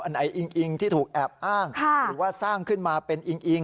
ไหนอิงอิงที่ถูกแอบอ้างหรือว่าสร้างขึ้นมาเป็นอิงอิง